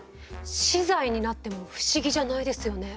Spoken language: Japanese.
死罪になっても不思議じゃないですよね。